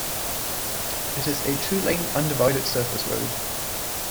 It is a two-lane, undivided surface road.